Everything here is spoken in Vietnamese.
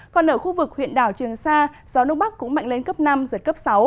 còn ở khu vực huyện đảo trường sa gió đông bắc cũng mạnh lên cấp năm giật cấp sáu